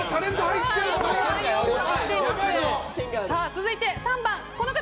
続いて、４番はこの方。